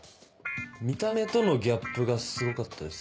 見た目とのギャップがすごかったです。